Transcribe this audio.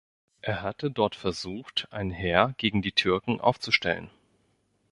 Er hatte dort versucht, ein Heer gegen die Türken aufzustellen.